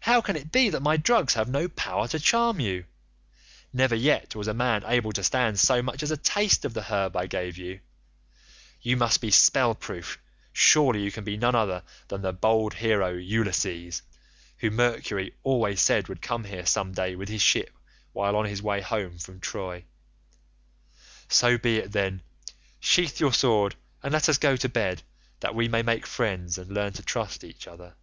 How can it be that my drugs have no power to charm you? Never yet was any man able to stand so much as a taste of the herb I gave you; you must be spell proof; surely you can be none other than the bold hero Ulysses, who Mercury always said would come here some day with his ship while on his way home from Troy; so be it then; sheathe your sword and let us go to bed, that we may make friends and learn to trust each other.